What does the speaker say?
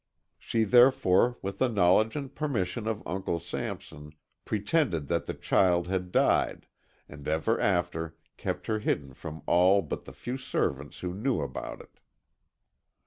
She therefore, with the knowledge and permission of Uncle Sampson, pretended that the child had died, and ever after kept her hidden from all but the few servants who knew about it.